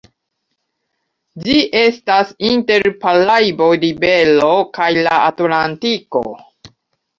Ĝi estas inter Paraibo-rivero kaj la Atlantiko.